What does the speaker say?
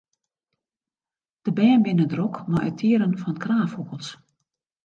De bern binne drok mei it tearen fan kraanfûgels.